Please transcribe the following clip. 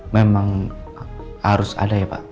memang harus ada ya pak